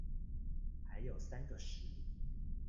還有三個十